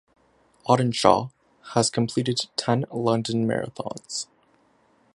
Audenshaw has completed ten London Marathons.